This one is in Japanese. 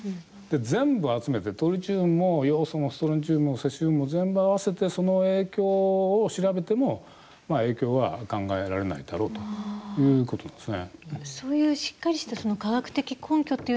全部、集めてトリチウムもヨウ素もストロンチウムもセシウムも全部合わせてその影響を調べても影響は考えられないだろうということですね。